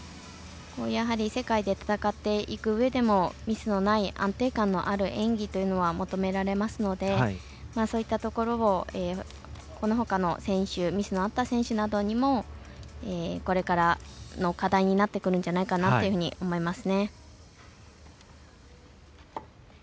やはり世界で戦っていくうえでもミスのない安定感のある演技というのは求められますのでそういったところをこのほかの選手ミスのあった選手などにもこれからの課題になってくるんじゃないかなと思います。